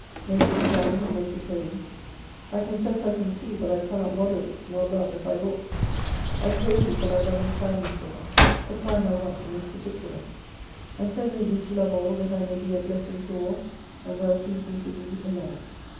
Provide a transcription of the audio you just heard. Make it Divine and make it Holy. I confess I cansee, but I can not moderate, nor love as I ought. I pray Thee for Thy loving kindness sake supply my want in this parti cular. And so make me to love all, that I may be a blessing to all : and well pleasing to Thee in all.